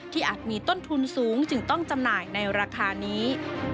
อาจมีต้นทุนสูงจึงต้องจำหน่ายในราคานี้